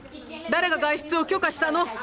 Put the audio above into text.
誰が外出を許可したの？